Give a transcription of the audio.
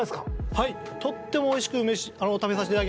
はいとってもおいしく食べさしていただきました